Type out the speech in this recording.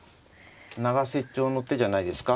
永瀬調の手じゃないですか。